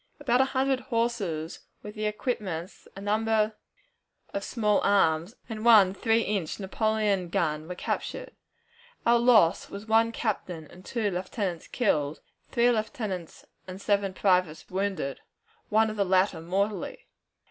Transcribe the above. About a hundred horses, with equipments, a number of small arms, and one three inch Napoleon gun were captured. Our loss was one captain and two lieutenants killed, three lieutenants and seven privates wounded one of the latter mortally.